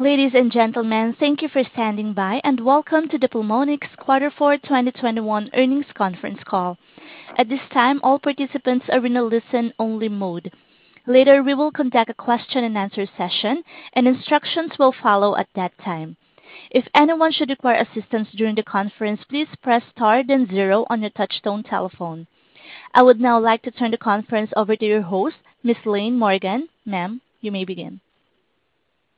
Ladies and gentlemen, thank you for standing by, and welcome to the Pulmonx fourth quarter 2021 earnings conference call. At this time, all participants are in a listen-only mode. Later, we will conduct a question-and-answer session, and instructions will follow at that time. If anyone should require assistance during the conference, please press star then zero on your touchtone telephone. I would now like to turn the conference over to your host, Ms. Laine Morgan. Ma'am, you may begin.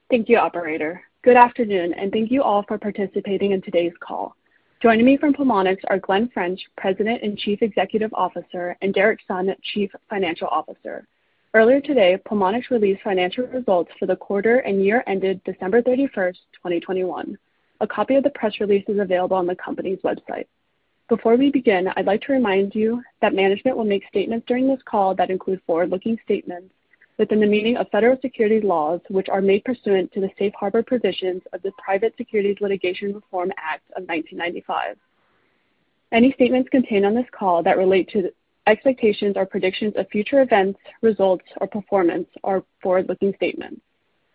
Thank you, operator. Good afternoon, and thank you all for participating in today's call. Joining me from Pulmonx are Glen French, President and Chief Executive Officer, and Derrick Sung, Chief Financial Officer. Earlier today, Pulmonx released financial results for the quarter and year ended December 31, 2021. A copy of the press release is available on the company's website. Before we begin, I'd like to remind you that management will make statements during this call that include forward-looking statements within the meaning of federal securities laws, which are made pursuant to the Safe Harbor provisions of the Private Securities Litigation Reform Act of 1995. Any statements contained on this call that relate to the expectations or predictions of future events, results, or performance are forward-looking statements.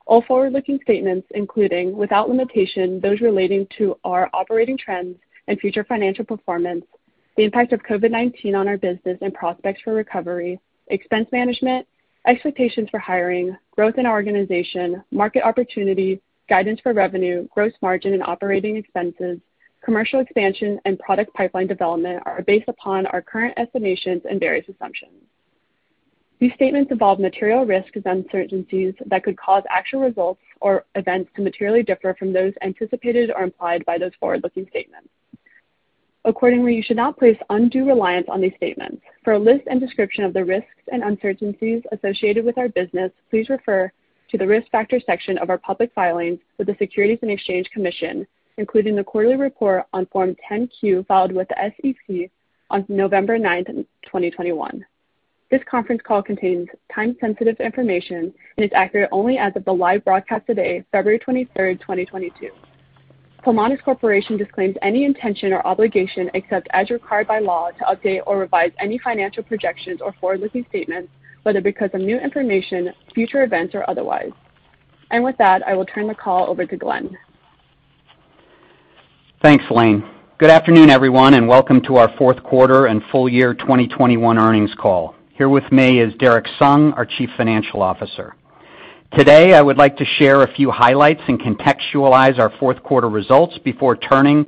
All forward-looking statements, including, without limitation, those relating to our operating trends and future financial performance, the impact of COVID-19 on our business and prospects for recovery, expense management, expectations for hiring, growth in our organization, market opportunities, guidance for revenue, gross margin and operating expenses, commercial expansion, and product pipeline development, are based upon our current estimations and various assumptions. These statements involve material risks and uncertainties that could cause actual results or events to materially differ from those anticipated or implied by those forward-looking statements. Accordingly, you should not place undue reliance on these statements. For a list and description of the risks and uncertainties associated with our business, please refer to the Risk Factors section of our public filings with the Securities and Exchange Commission, including the quarterly report on Form 10-Q filed with the SEC on November 9, 2021. This conference call contains time-sensitive information and is accurate only as of the live broadcast today, February 23, 2022. Pulmonx Corporation disclaims any intention or obligation, except as required by law, to update or revise any financial projections or forward-looking statements, whether because of new information, future events, or otherwise. With that, I will turn the call over to Glen. Thanks, Laine. Good afternoon, everyone, and welcome to our fourth quarter and full year 2021 earnings call. Here with me is Derrick Sung, our Chief Financial Officer. Today, I would like to share a few highlights and contextualize our fourth quarter results before turning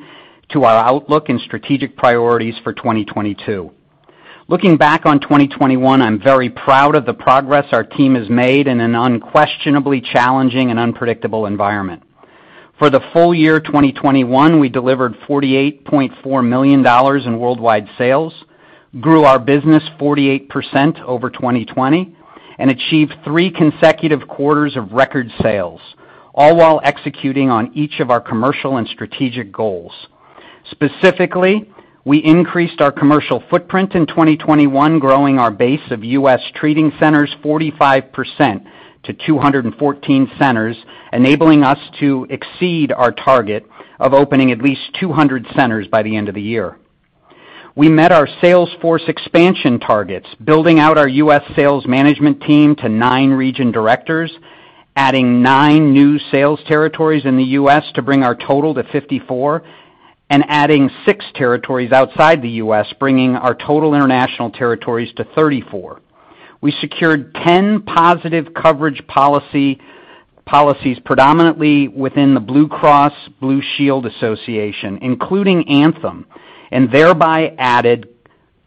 to our outlook and strategic priorities for 2022. Looking back on 2021, I'm very proud of the progress our team has made in an unquestionably challenging and unpredictable environment. For the full year 2021, we delivered $48.4 million in worldwide sales, grew our business 48% over 2020, and achieved three consecutive quarters of record sales, all while executing on each of our commercial and strategic goals. Specifically, we increased our commercial footprint in 2021, growing our base of U.S. treating centers 45% to 214 centers, enabling us to exceed our target of opening at least 200 centers by the end of the year. We met our sales force expansion targets, building out our U.S. sales management team to nine region directors, adding nine new sales territories in the U.S. to bring our total to 54, and adding six territories outside the U.S., bringing our total international territories to 34. We secured 10 positive coverage policies predominantly within the Blue Cross Blue Shield Association, including Anthem, and thereby added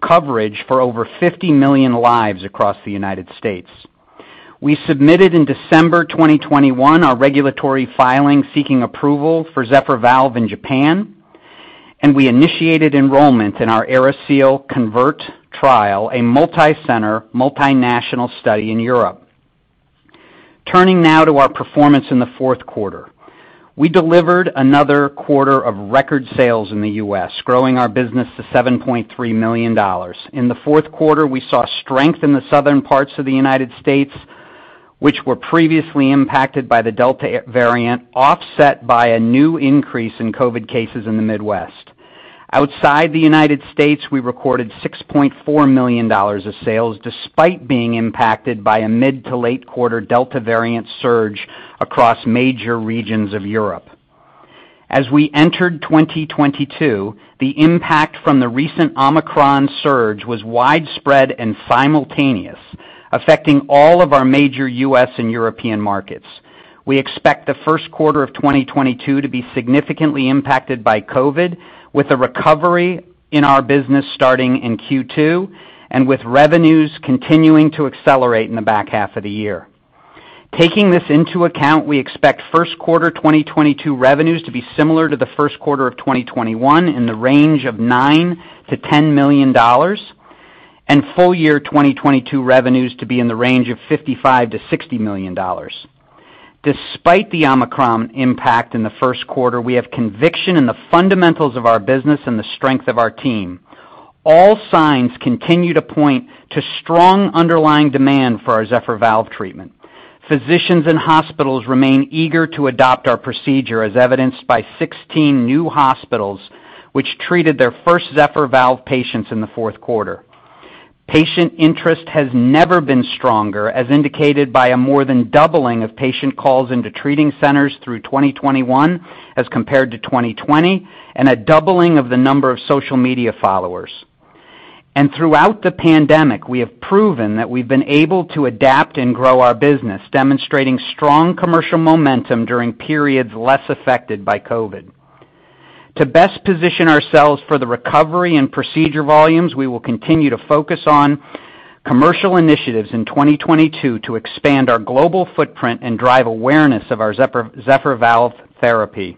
coverage for over 50 million lives across the United States. We submitted in December 2021 our regulatory filing seeking approval for Zephyr Valve in Japan, and we initiated enrollment in our AeriSeal CONVERT trial, a multicenter, multinational study in Europe. Turning now to our performance in the fourth quarter. We delivered another quarter of record sales in the U.S., growing our business to $7.3 million. In the fourth quarter, we saw strength in the southern parts of the United States, which were previously impacted by the Delta variant, offset by a new increase in COVID cases in the Midwest. Outside the United States, we recorded $6.4 million of sales, despite being impacted by a mid to late quarter Delta variant surge across major regions of Europe. As we entered 2022, the impact from the recent Omicron surge was widespread and simultaneous, affecting all of our major U.S. and European markets. We expect the first quarter of 2022 to be significantly impacted by COVID, with a recovery in our business starting in Q2, and with revenues continuing to accelerate in the back half of the year. Taking this into account, we expect first quarter 2022 revenues to be similar to the first quarter of 2021 in the range of $9 million-$10 million and full year 2022 revenues to be in the range of $55 million-$60 million. Despite the Omicron impact in the first quarter, we have conviction in the fundamentals of our business and the strength of our team. All signs continue to point to strong underlying demand for our Zephyr Valve treatment. Physicians and hospitals remain eager to adopt our procedure, as evidenced by 16 new hospitals which treated their first Zephyr Valve patients in the fourth quarter. Patient interest has never been stronger, as indicated by a more than doubling of patient calls into treating centers through 2021 as compared to 2020, and a doubling of the number of social media followers. Throughout the pandemic, we have proven that we've been able to adapt and grow our business, demonstrating strong commercial momentum during periods less affected by COVID. To best position ourselves for the recovery and procedure volumes, we will continue to focus on commercial initiatives in 2022 to expand our global footprint and drive awareness of our Zephyr Valve therapy.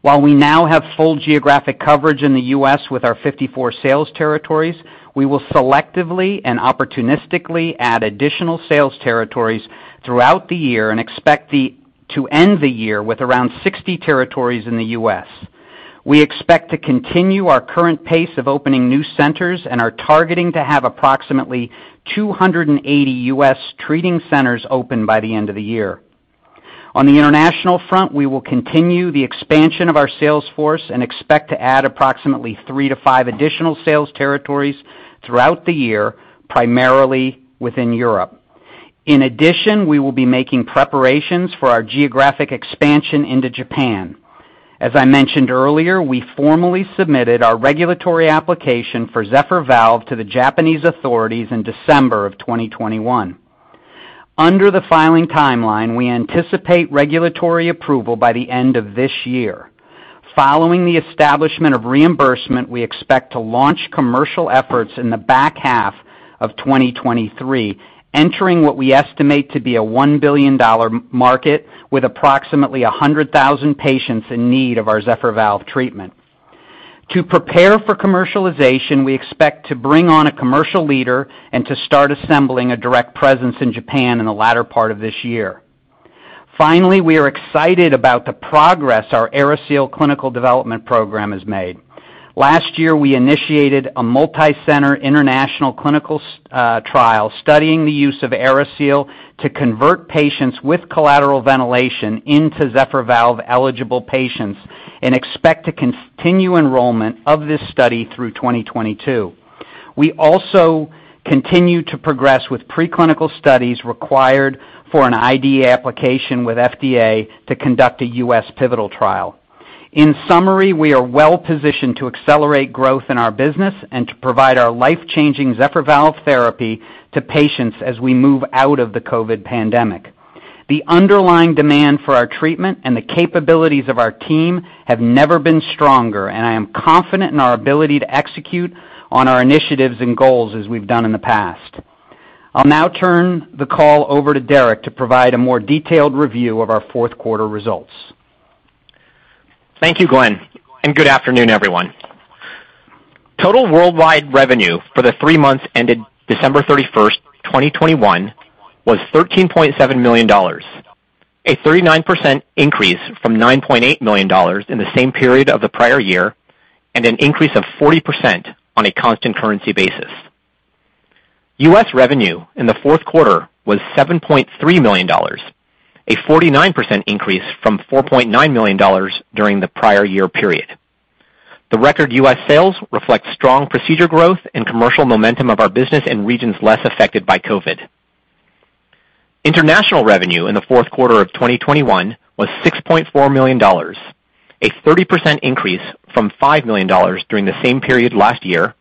While we now have full geographic coverage in the U.S. with our 54 sales territories, we will selectively and opportunistically add additional sales territories throughout the year and expect to end the year with around 60 territories in the U.S. We expect to continue our current pace of opening new centers and are targeting to have approximately 280 U.S. treating centers open by the end of the year. On the international front, we will continue the expansion of our sales force and expect to add approximately 3-5 additional sales territories throughout the year, primarily within Europe. In addition, we will be making preparations for our geographic expansion into Japan. As I mentioned earlier, we formally submitted our regulatory application for Zephyr Valve to the Japanese authorities in December 2021. Under the filing timeline, we anticipate regulatory approval by the end of this year. Following the establishment of reimbursement, we expect to launch commercial efforts in the back half of 2023, entering what we estimate to be a $1 billion market with approximately 100,000 patients in need of our Zephyr Valve treatment. To prepare for commercialization, we expect to bring on a commercial leader and to start assembling a direct presence in Japan in the latter part of this year. Finally, we are excited about the progress our AeriSeal clinical development program has made. Last year, we initiated a multicenter international clinical trial studying the use of AeriSeal to convert patients with collateral ventilation into Zephyr Valve eligible patients and expect to continue enrollment of this study through 2022. We also continue to progress with preclinical studies required for an IDE application with FDA to conduct a U.S. pivotal trial. In summary, we are well positioned to accelerate growth in our business and to provide our life-changing Zephyr Valve therapy to patients as we move out of the COVID pandemic. The underlying demand for our treatment and the capabilities of our team have never been stronger, and I am confident in our ability to execute on our initiatives and goals as we've done in the past. I'll now turn the call over to Derrick to provide a more detailed review of our fourth quarter results. Thank you, Glen, and good afternoon, everyone. Total worldwide revenue for the three months ended December 31, 2021 was $13.7 million, a 39% increase from $9.8 million in the same period of the prior year, and an increase of 40% on a constant currency basis. U.S. revenue in the fourth quarter was $7.3 million, a 49% increase from $4.9 million during the prior year period. The record U.S. sales reflects strong procedure growth and commercial momentum of our business in regions less affected by COVID. International revenue in the fourth quarter of 2021 was $6.4 million, a 30% increase from $5 million during the same period last year,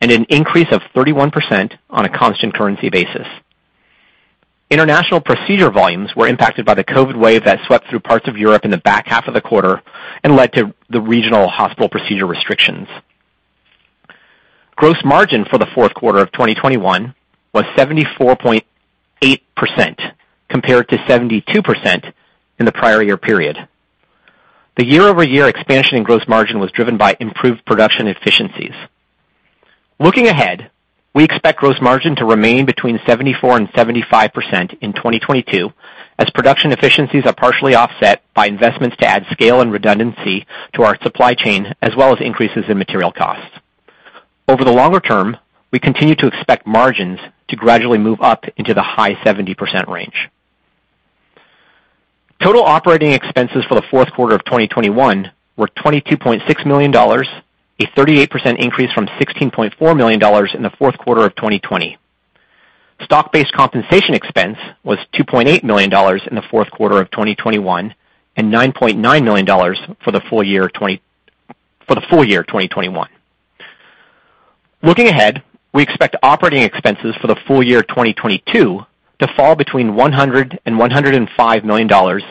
and an increase of 31% on a constant currency basis. International procedure volumes were impacted by the COVID wave that swept through parts of Europe in the back half of the quarter and led to the regional hospital procedure restrictions. Gross margin for the fourth quarter of 2021 was 74.8% compared to 72% in the prior year period. The year-over-year expansion in gross margin was driven by improved production efficiencies. Looking ahead, we expect gross margin to remain between 74% and 75% in 2022 as production efficiencies are partially offset by investments to add scale and redundancy to our supply chain, as well as increases in material costs. Over the longer term, we continue to expect margins to gradually move up into the high 70% range. Total operating expenses for the fourth quarter of 2021 were $22.6 million, a 38% increase from $16.4 million in the fourth quarter of 2020. Stock-based compensation expense was $2.8 million in the fourth quarter of 2021, and $9.9 million for the full year 2021. Looking ahead, we expect operating expenses for the full year 2022 to fall between $100 million and $105 million,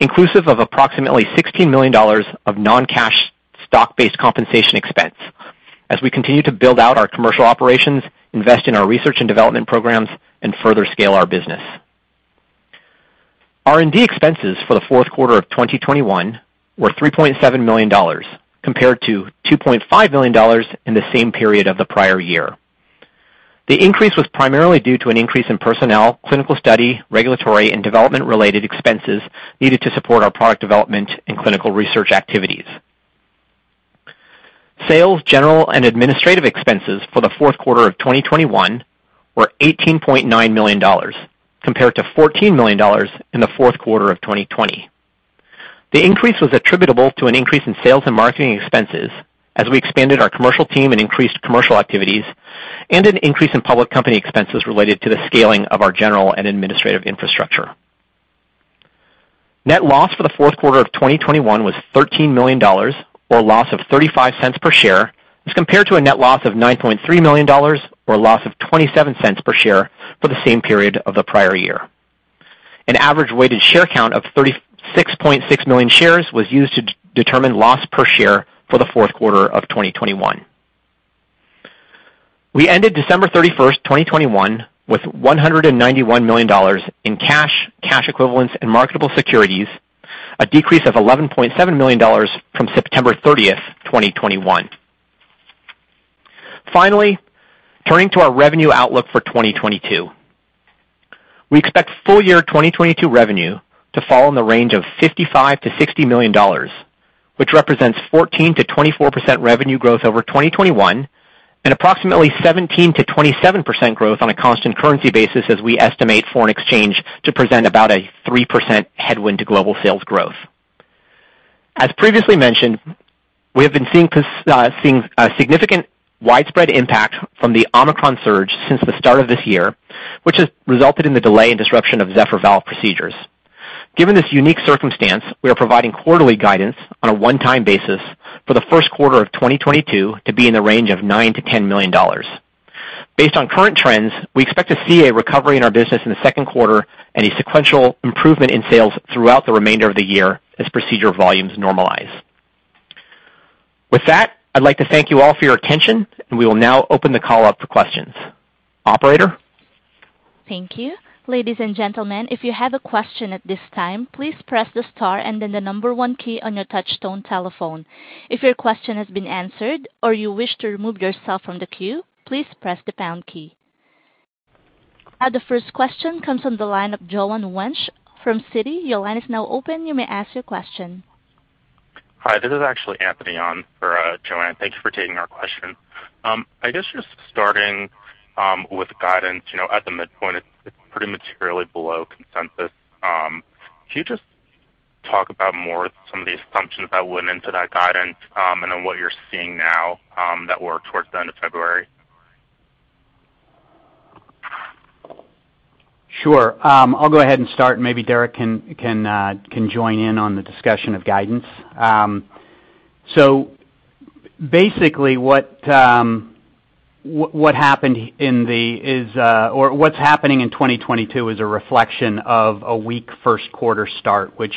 inclusive of approximately $16 million of non-cash stock-based compensation expense as we continue to build out our commercial operations, invest in our research and development programs, and further scale our business. R&D expenses for the fourth quarter of 2021 were $3.7 million compared to $2.5 million in the same period of the prior year. The increase was primarily due to an increase in personnel, clinical study, regulatory, and development-related expenses needed to support our product development and clinical research activities. Sales, general, and administrative expenses for the fourth quarter of 2021 were $18.9 million compared to $14 million in the fourth quarter of 2020. The increase was attributable to an increase in sales and marketing expenses as we expanded our commercial team and increased commercial activities and an increase in public company expenses related to the scaling of our general and administrative infrastructure. Net loss for the fourth quarter of 2021 was $13 million, or a loss of $0.35 per share as compared to a net loss of $9.3 million or a loss of $0.27 per share for the same period of the prior year. An average weighted share count of 36.6 million shares was used to determine loss per share for the fourth quarter of 2021. We ended December 31, 2021 with $191 million in cash equivalents, and marketable securities, a decrease of $11.7 million from September 30, 2021. Finally, turning to our revenue outlook for 2022. We expect full year 2022 revenue to fall in the range of $55 million-$60 million, which represents 14%-24% revenue growth over 2021 and approximately 17%-27% growth on a constant currency basis as we estimate foreign exchange to present about a 3% headwind to global sales growth. As previously mentioned, we have been seeing a significant widespread impact from the Omicron surge since the start of this year, which has resulted in the delay and disruption of Zephyr Valve procedures. Given this unique circumstance, we are providing quarterly guidance on a one-time basis for the first quarter of 2022 to be in the range of $9 million-$10 million. Based on current trends, we expect to see a recovery in our business in the second quarter and a sequential improvement in sales throughout the remainder of the year as procedure volumes normalize. With that, I'd like to thank you all for your attention, and we will now open the call up for questions. Operator? Thank you. Ladies and gentlemen, if you have a question at this time, please press the star and then the number one key on your touch tone telephone. If your question has been answered or you wish to remove yourself from the queue, please press the pound key. The first question comes from the line of Joanne Wuensch from Citi. Your line is now open. You may ask your question. Hi, this is actually Anthony on for Joanne. Thank you for taking our question. I guess just starting with guidance, you know, at the midpoint, it's pretty materially below consensus. Can you just talk about more some of the assumptions that went into that guidance, and then what you're seeing now that were towards the end of February? Sure. I'll go ahead and start, and maybe Derrick can join in on the discussion of guidance. So basically, what's happening in 2022 is a reflection of a weak first quarter start, which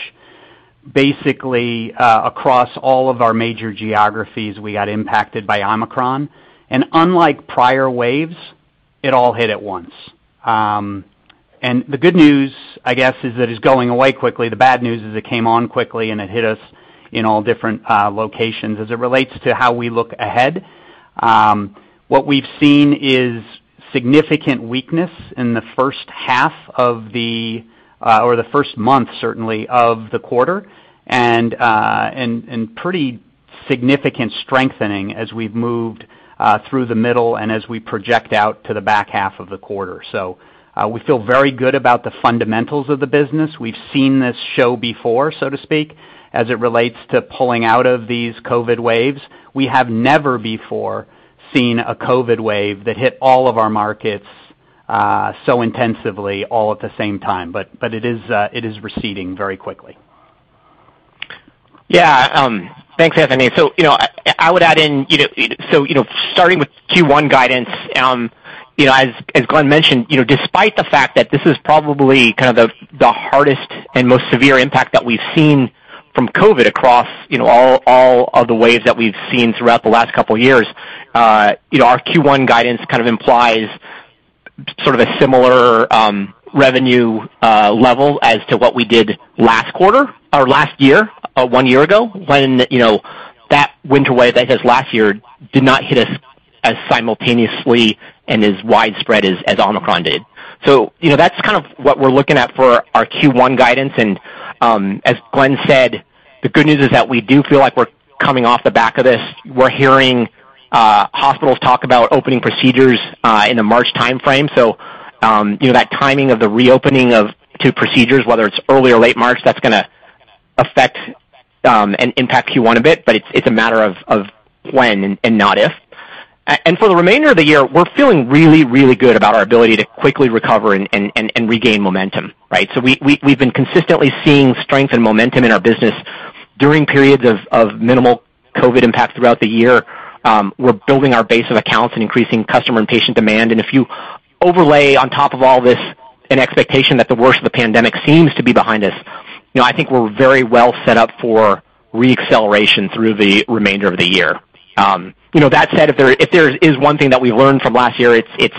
basically, across all of our major geographies, we got impacted by Omicron. Unlike prior waves, it all hit at once. The good news, I guess, is that it's going away quickly. The bad news is it came on quickly, and it hit us in all different locations. As it relates to how we look ahead, what we've seen is significant weakness in the first month certainly of the quarter, and pretty significant strengthening as we've moved through the middle and as we project out to the back half of the quarter. We feel very good about the fundamentals of the business. We've seen this show before, so to speak, as it relates to pulling out of these COVID waves. We have never before seen a COVID wave that hit all of our markets so intensively all at the same time, but it is receding very quickly. Yeah, thanks, Anthony. I would add in, you know, starting with Q1 guidance, you know, as Glenn mentioned, you know, despite the fact that this is probably kind of the hardest and most severe impact that we've seen from COVID across, you know, all of the waves that we've seen throughout the last couple years, you know, our Q1 guidance kind of implies sort of a similar revenue level as to what we did last quarter or last year, one year ago, when, you know, that winter wave, I guess, last year did not hit us as simultaneously and as widespread as Omicron did. You know, that's kind of what we're looking at for our Q1 guidance, and as Glenn said, the good news is that we do feel like we're coming off the back of this. We're hearing hospitals talk about opening procedures in the March timeframe. You know, that timing of the reopening to procedures, whether it's early or late March, that's gonna affect and impact Q1 a bit, but it's a matter of when and not if. For the remainder of the year, we're feeling really good about our ability to quickly recover and regain momentum, right? We we've been consistently seeing strength and momentum in our business during periods of minimal COVID impact throughout the year. We're building our base of accounts and increasing customer and patient demand. If you overlay on top of all this an expectation that the worst of the pandemic seems to be behind us, you know, I think we're very well set up for re-acceleration through the remainder of the year. You know, that said, if there is one thing that we've learned from last year, it's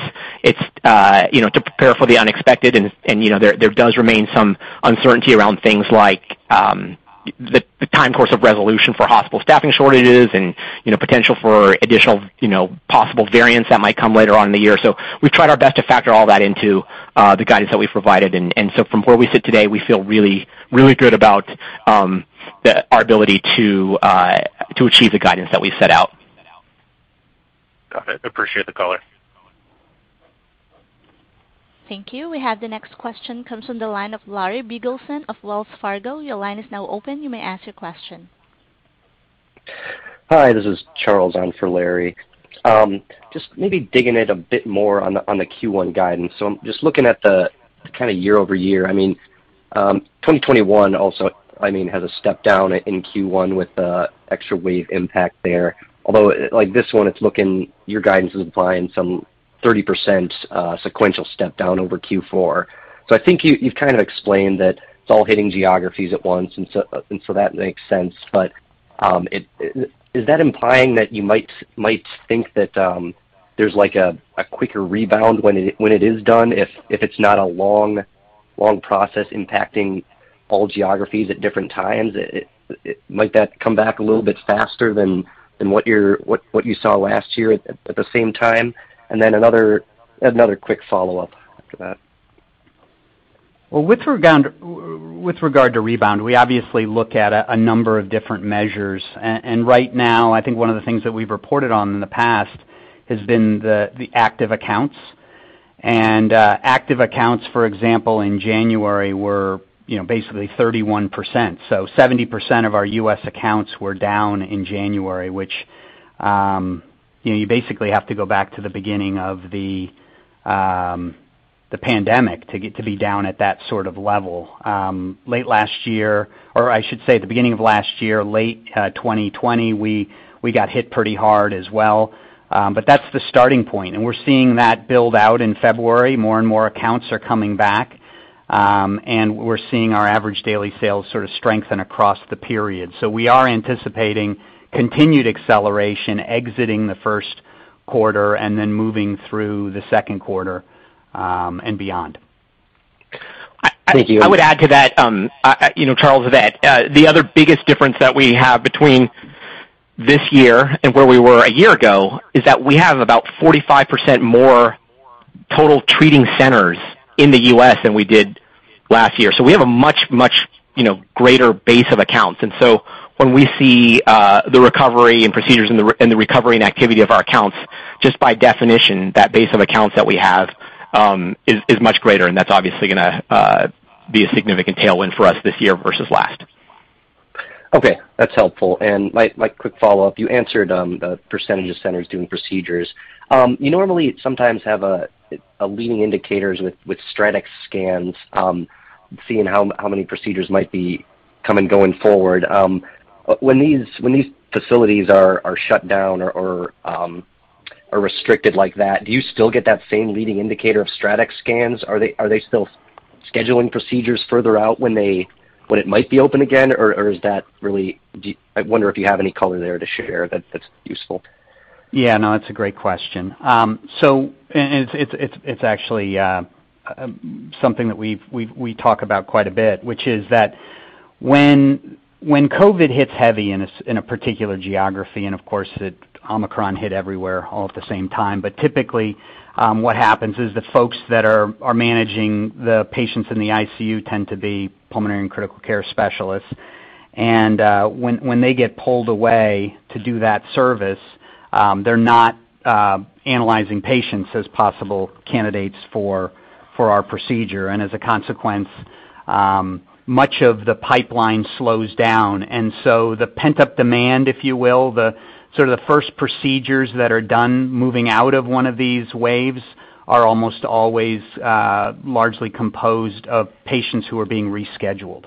you know, to prepare for the unexpected and, you know, there does remain some uncertainty around things like the time course of resolution for hospital staffing shortages and, you know, potential for additional, you know, possible variants that might come later on in the year. So we've tried our best to factor all that into the guidance that we've provided. From where we sit today, we feel really good about our ability to achieve the guidance that we set out. Got it. Appreciate the color. Thank you. We have the next question comes from the line of Larry Biegelsen of Wells Fargo. Your line is now open. You may ask your question. Hi, this is Charles on for Larry. Just maybe digging it a bit more on the Q1 guidance. I'm just looking at the kinda year-over-year. I mean, 2021 also, I mean, has a step down in Q1 with the extra wave impact there. Although like this one, it's looking, your guidance is implying some 30% sequential step down over Q4. I think you've kinda explained that it's all hitting geographies at once, and so that makes sense. It is that implying that you might think that there's like a quicker rebound when it is done if it's not a long process impacting all geographies at different times? Might that come back a little bit faster than what you saw last year at the same time? Another quick follow-up after that. Well, with regard to rebound, we obviously look at a number of different measures. Right now, I think one of the things that we've reported on in the past has been the active accounts. Active accounts, for example, in January were, you know, basically 31%. Seventy percent of our U.S. accounts were down in January, which, you know, you basically have to go back to the beginning of the pandemic to get to be down at that sort of level. Late last year, or I should say the beginning of last year, late 2020, we got hit pretty hard as well. That's the starting point. We're seeing that build out in February, more and more accounts are coming back. We're seeing our average daily sales sort of strengthen across the period. We are anticipating continued acceleration exiting the first quarter and then moving through the second quarter, and beyond. Thank you. I would add to that, you know, Charles, that the other biggest difference that we have between this year and where we were a year ago is that we have about 45% more total treating centers in the U.S. than we did last year. We have a much greater base of accounts. When we see the recovery in procedures and the recovery in activity of our accounts, just by definition, that base of accounts that we have is much greater, and that's obviously gonna be a significant tailwind for us this year versus last. Okay, that's helpful. My quick follow-up, you answered the percentage of centers doing procedures. You normally sometimes have a leading indicator with StratX scans, seeing how many procedures might be coming going forward. When these facilities are shut down or are restricted like that, do you still get that same leading indicator of StratX scans? Are they still scheduling procedures further out when it might be open again? Or is that really? I wonder if you have any color there to share that's useful. Yeah, no, that's a great question. It's actually something that we talk about quite a bit, which is that when COVID hits heavy in a particular geography, and of course, the Omicron hit everywhere all at the same time. Typically, what happens is the folks that are managing the patients in the ICU tend to be pulmonary and critical care specialists. When they get pulled away to do that service, they're not analyzing patients as possible candidates for our procedure. As a consequence, much of the pipeline slows down. The pent-up demand, if you will, the first procedures that are done moving out of one of these waves are almost always largely composed of patients who are being rescheduled.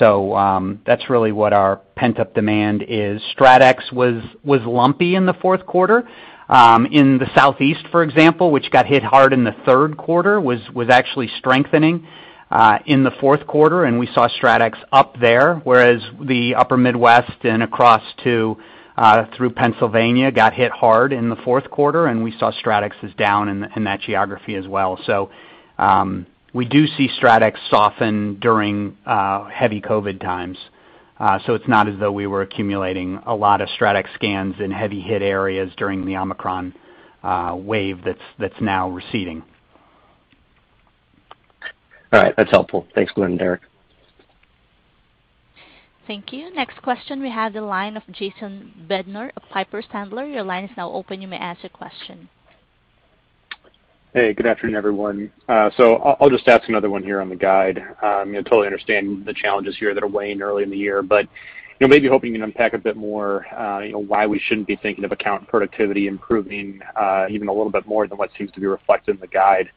That's really what our pent-up demand is. StratX was lumpy in the fourth quarter. In the Southeast, for example, which got hit hard in the third quarter, was actually strengthening in the fourth quarter, and we saw StratX up there, whereas the Upper Midwest and across to through Pennsylvania got hit hard in the fourth quarter, and we saw StratX is down in that geography as well. We do see StratX soften during heavy COVID times. It's not as though we were accumulating a lot of StratX scans in heavy hit areas during the Omicron wave that's now receding. All right. That's helpful. Thanks, Glen and Derrick. Thank you. Next question we have the line of Jason Bednar of Piper Sandler. Your line is now open. You may ask your question. Hey, good afternoon, everyone. I'll just ask another one here on the guide. You know, totally understand the challenges here that are weighing early in the year. You know, maybe hoping you can unpack a bit more, you know, why we shouldn't be thinking of account productivity improving, even a little bit more than what seems to be reflected in the guide.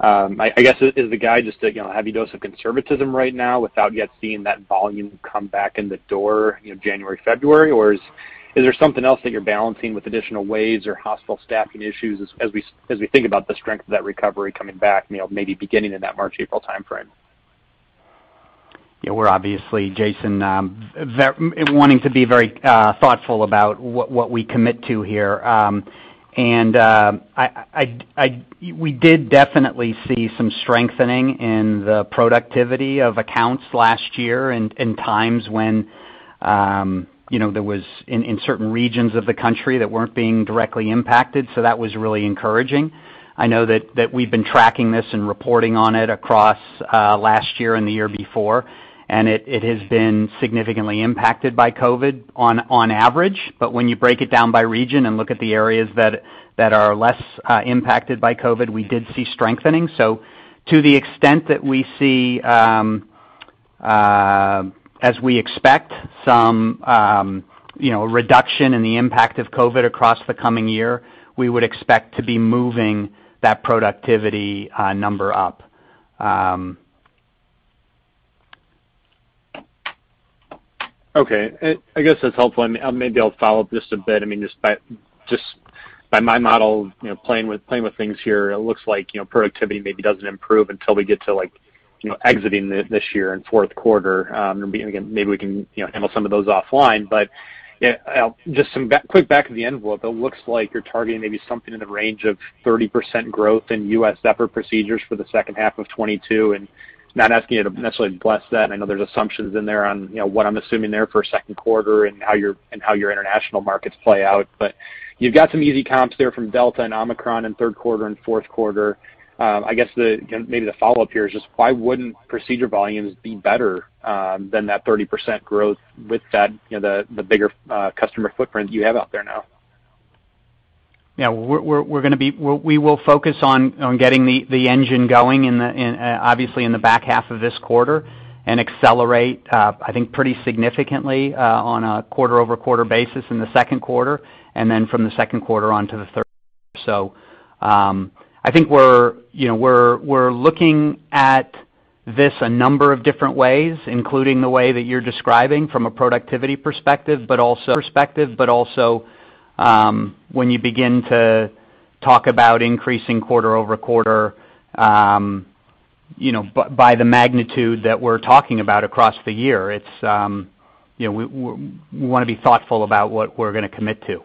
I guess, is the guide just a, you know, a heavy dose of conservatism right now without yet seeing that volume come back in the door, you know, January, February? Or is there something else that you're balancing with additional waves or hospital staffing issues as we think about the strength of that recovery coming back, you know, maybe beginning in that March, April timeframe? Yeah. We're obviously, Jason, wanting to be very thoughtful about what we commit to here. We did definitely see some strengthening in the productivity of accounts last year in times when you know there was in certain regions of the country that weren't being directly impacted. That was really encouraging. I know that we've been tracking this and reporting on it across last year and the year before, and it has been significantly impacted by COVID on average. When you break it down by region and look at the areas that are less impacted by COVID, we did see strengthening to the extent that we see, as we expect some, you know, reduction in the impact of COVID across the coming year, we would expect to be moving that productivity number up. Okay. I guess that's helpful. Maybe I'll follow up just a bit. I mean, just by my model, you know, playing with things here, it looks like, you know, productivity maybe doesn't improve until we get to, like, you know, exiting this year in fourth quarter. Again, maybe we can, you know, handle some of those offline. Yeah, just some quick back of the envelope, it looks like you're targeting maybe something in the range of 30% growth in U.S. separate procedures for the second half of 2022. Not asking you to necessarily bless that, and I know there's assumptions in there on, you know, what I'm assuming there for second quarter and how your international markets play out. You've got some easy comps there from Delta and Omicron in third quarter and fourth quarter. I guess, again, maybe the follow-up here is just why wouldn't procedure volumes be better than that 30% growth with that, you know, the bigger customer footprint you have out there now? We will focus on getting the engine going in the back half of this quarter and accelerate, I think pretty significantly, on a quarter-over-quarter basis in the second quarter and then from the second quarter on to the third. I think we're, you know, looking at this a number of different ways, including the way that you're describing from a productivity perspective, but also when you begin to talk about increasing quarter-over-quarter, you know, by the magnitude that we're talking about across the year. It's, you know, we wanna be thoughtful about what we're gonna commit to.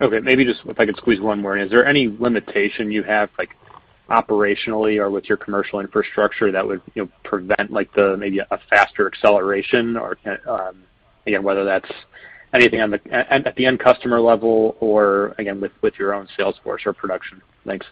Okay. Maybe just if I could squeeze one more in. Is there any limitation you have, like, operationally or with your commercial infrastructure that would, you know, prevent, like, the, maybe a faster acceleration or, again, whether that's anything on the at the end customer level or again, with your own sales force or production? Thanks.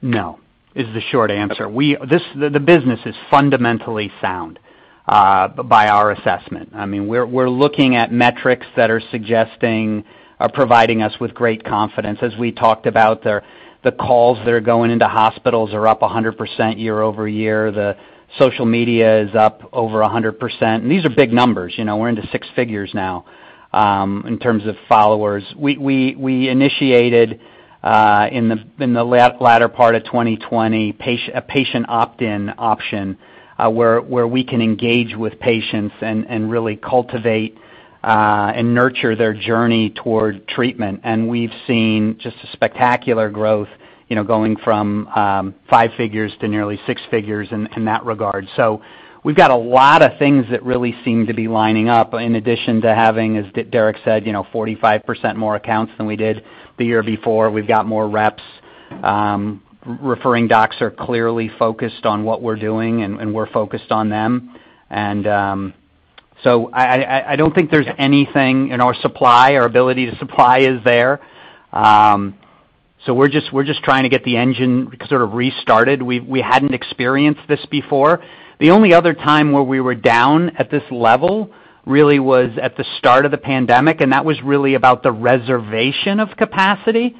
No is the short answer. The business is fundamentally sound by our assessment. I mean, we're looking at metrics that are suggesting or providing us with great confidence. As we talked about, the calls that are going into hospitals are up 100% year-over-year. The social media is up over 100%. These are big numbers, you know? We're into six figures now in terms of followers. We initiated in the latter part of 2020 a patient opt-in option where we can engage with patients and really cultivate and nurture their journey toward treatment. We've seen just a spectacular growth, you know, going from five figures to nearly six figures in that regard. We've got a lot of things that really seem to be lining up in addition to having, as Derek said, you know, 45% more accounts than we did the year before. We've got more reps. Referring docs are clearly focused on what we're doing, and we're focused on them. I don't think there's anything in our supply. Our ability to supply is there. We're just trying to get the engine sort of restarted. We hadn't experienced this before. The only other time where we were down at this level really was at the start of the pandemic, and that was really about the reservation of capacity.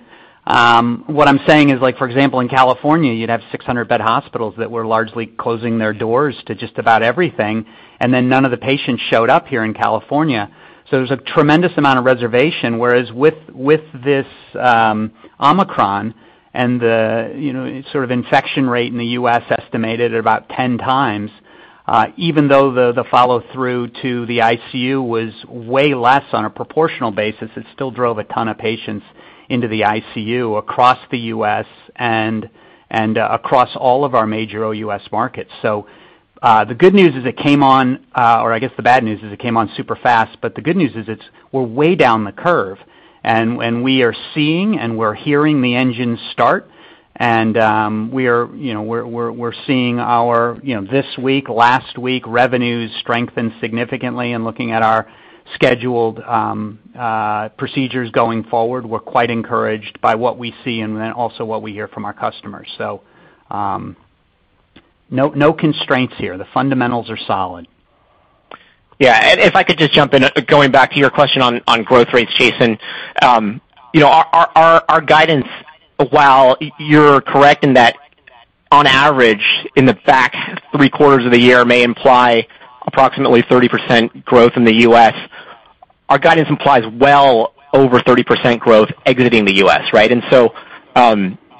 What I'm saying is, like, for example, in California, you'd have 600-bed hospitals that were largely closing their doors to just about everything, and then none of the patients showed up here in California. There's a tremendous amount of reservation, whereas with this Omicron and the, you know, sort of infection rate in the U.S. estimated at about 10 times, even though the follow-through to the ICU was way less on a proportional basis, it still drove a ton of patients into the ICU across the U.S. and across all of our major OUS markets. The good news is it came on, or I guess the bad news is it came on super fast, but the good news is it's. We're way down the curve. We are seeing and we're hearing the engine start, and we're, you know, we're seeing our, you know, this week, last week revenues strengthen significantly and looking at our scheduled procedures going forward, we're quite encouraged by what we see and then also what we hear from our customers. No constraints here. The fundamentals are solid. Yeah. If I could just jump in, going back to your question on growth rates, Jason. You know, our guidance, while you're correct in that on average in the back three quarters of the year may imply approximately 30% growth in the U.S., our guidance implies well over 30% growth exiting the U.S., right?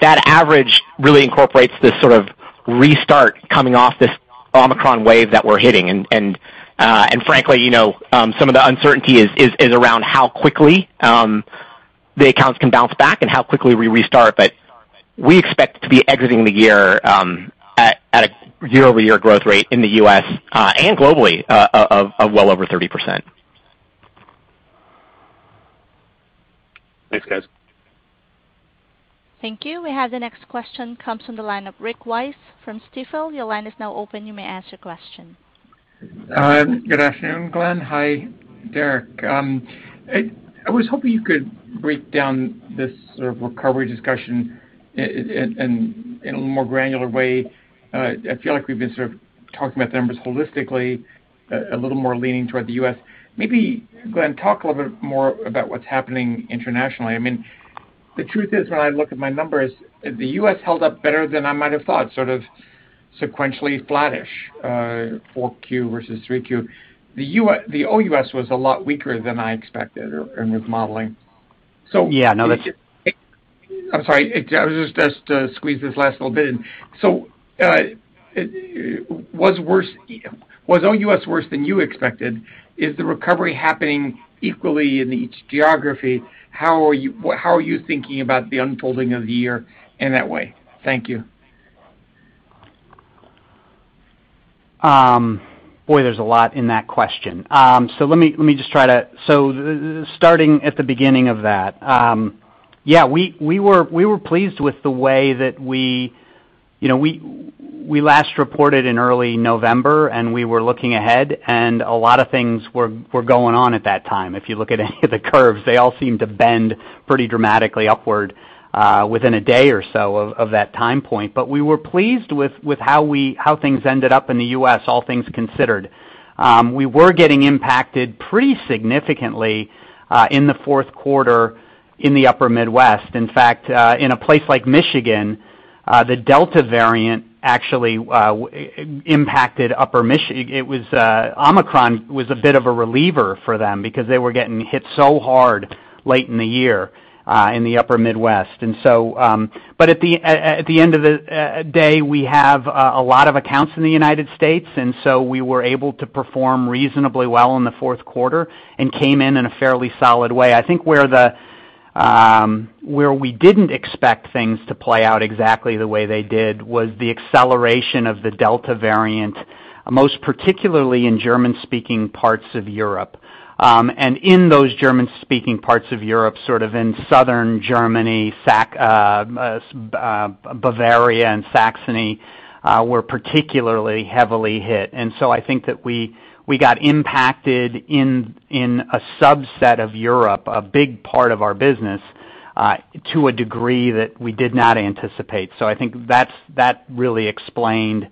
That average really incorporates this sort of restart coming off this Omicron wave that we're hitting. Frankly, you know, some of the uncertainty is around how quickly the accounts can bounce back and how quickly we restart. We expect to be exiting the year at a year-over-year growth rate in the U.S. and globally of well over 30%. Thanks, guys. Thank you. We have the next question comes from the line of Rick Wise from Stifel. Your line is now open. You may ask your question. Good afternoon, Glen. Hi, Derrick. I was hoping you could break down this sort of recovery discussion in a more granular way. I feel like we've been sort of talking about the numbers holistically, a little more leaning toward the U.S. Maybe, Glen, talk a little bit more about what's happening internationally. I mean. The truth is, when I look at my numbers, the U.S. held up better than I might have thought, sort of sequentially flattish, 4Q versus 3Q. The OUS was a lot weaker than I expected or and was modeling. Yeah, no, that's. I'm sorry. I was just squeeze this last little bit in. Was OUS worse than you expected? Is the recovery happening equally in each geography? How are you thinking about the unfolding of the year in that way? Thank you. Boy, there's a lot in that question. Let me just try to. Starting at the beginning of that, yeah, we were pleased with the way that we, you know, we last reported in early November, and we were looking ahead, and a lot of things were going on at that time. If you look at any of the curves, they all seem to bend pretty dramatically upward within a day or so of that time point. We were pleased with how things ended up in the U.S., all things considered. We were getting impacted pretty significantly in the fourth quarter in the Upper Midwest. In fact, in a place like Michigan, the Delta variant actually impacted upper Michigan. It was, Omicron was a bit of a reliever for them because they were getting hit so hard late in the year, in the upper Midwest. At the end of the day, we have a lot of accounts in the United States, and so we were able to perform reasonably well in the fourth quarter and came in in a fairly solid way. I think where we didn't expect things to play out exactly the way they did was the acceleration of the Delta variant, most particularly in German-speaking parts of Europe. In those German-speaking parts of Europe, sort of in Southern Germany, Bavaria and Saxony were particularly heavily hit. I think that we got impacted in a subset of Europe, a big part of our business, to a degree that we did not anticipate. I think that really explained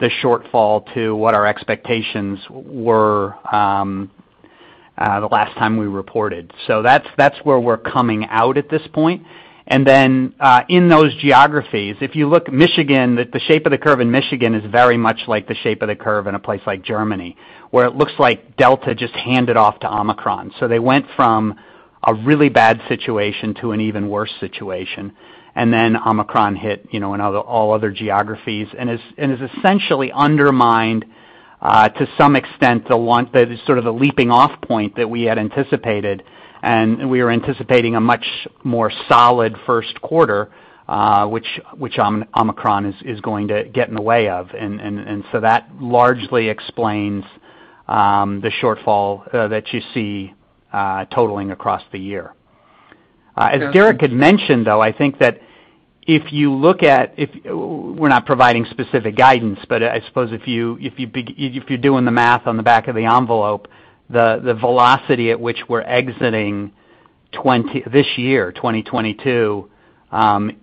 the shortfall to what our expectations were, the last time we reported. That's where we're coming out at this point. In those geographies, if you look at Michigan, the shape of the curve in Michigan is very much like the shape of the curve in a place like Germany, where it looks like Delta just handed off to Omicron. They went from a really bad situation to an even worse situation. Then Omicron hit, you know, in all other geographies and has essentially undermined, to some extent, the one that is sort of the leaping off point that we had anticipated. We were anticipating a much more solid first quarter, which Omicron is going to get in the way of. So that largely explains the shortfall that you see totaling across the year. As Derrick had mentioned, though, I think that if you look at if... We're not providing specific guidance, but I suppose if you're doing the math on the back of the envelope, the velocity at which we're exiting this year, 2022,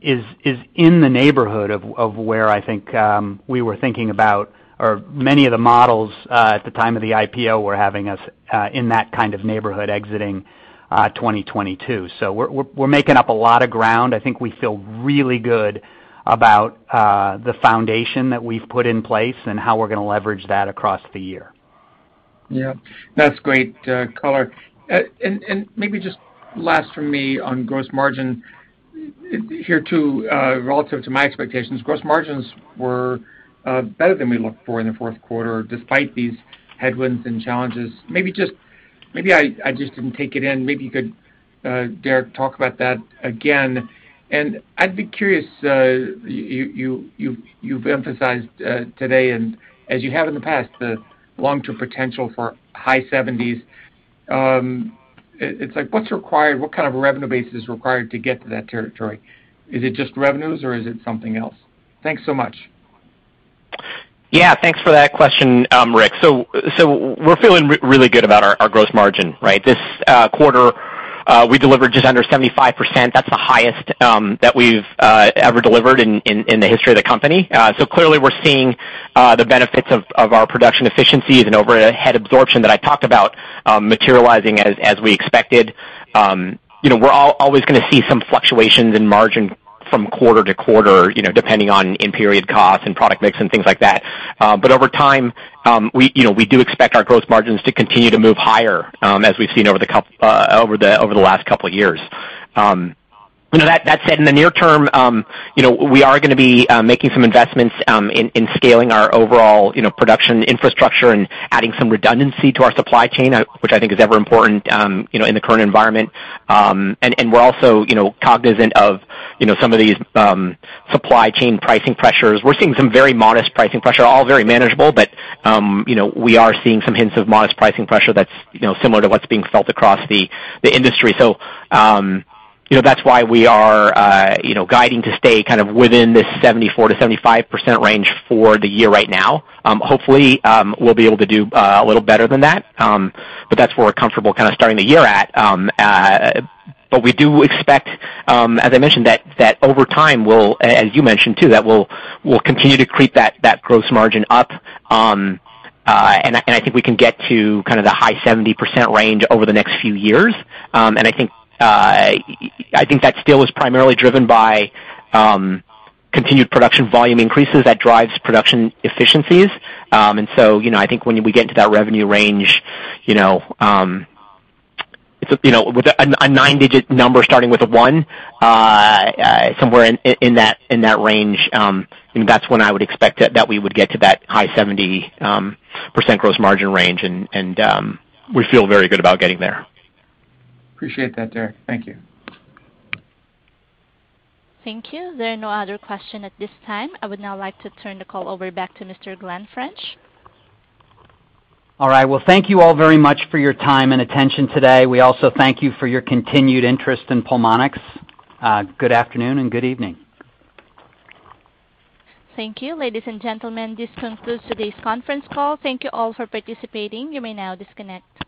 is in the neighborhood of where I think we were thinking about or many of the models at the time of the IPO were having us in that kind of neighborhood exiting 2022. We're making up a lot of ground. I think we feel really good about the foundation that we've put in place and how we're gonna leverage that across the year. Yeah. That's great color. And maybe just last from me on gross margin here too, relative to my expectations, gross margins were better than we looked for in the fourth quarter, despite these headwinds and challenges. Maybe I just didn't take it in. Maybe you could, Derek, talk about that again. I'd be curious, you've emphasized today and as you have in the past, the long-term potential for high 70s%. It's like, what's required? What kind of a revenue base is required to get to that territory? Is it just revenues or is it something else? Thanks so much. Yeah. Thanks for that question, Rick. We're feeling really good about our gross margin, right? This quarter, we delivered just under 75%. That's the highest that we've ever delivered in the history of the company. Clearly we're seeing the benefits of our production efficiencies and overhead absorption that I talked about, materializing as we expected. You know, we're always gonna see some fluctuations in margin from quarter to quarter, you know, depending on in-period costs and product mix and things like that. Over time, you know, we do expect our gross margins to continue to move higher, as we've seen over the last couple of years. That said, in the near term, you know, we are gonna be making some investments in scaling our overall production infrastructure and adding some redundancy to our supply chain, which I think is ever important, you know, in the current environment. We're also, you know, cognizant of some of these supply chain pricing pressures. We're seeing some very modest pricing pressure, all very manageable, but you know, we are seeing some hints of modest pricing pressure that's, you know, similar to what's being felt across the industry. That's why we are, you know, guiding to stay kind of within this 74%-75% range for the year right now. Hopefully, we'll be able to do a little better than that. That's where we're comfortable kinda starting the year at. We do expect, as I mentioned, that over time, as you mentioned too, we'll continue to creep that gross margin up. I think we can get to kind of the high 70% range over the next few years. I think that still is primarily driven by continued production volume increases that drives production efficiencies. You know, I think when we get into that revenue range, you know, it's you know with a nine-digit number starting with a 1 somewhere in that range, that's when I would expect that we would get to that high 70% gross margin range. We feel very good about getting there. Appreciate that, Derrick. Thank you. Thank you. There are no other questions at this time. I would now like to turn the call over back to Mr. Glen French. All right. Well, thank you all very much for your time and attention today. We also thank you for your continued interest in Pulmonx. Good afternoon and good evening. Thank you. Ladies and gentlemen, this concludes today's conference call. Thank you all for participating. You may now disconnect.